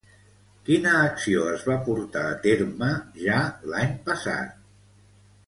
Quina acció es va portar a terme ja l'any passat?